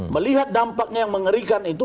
melihat dampaknya yang mengerikan itu